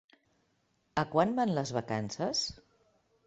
A quant van les vacances?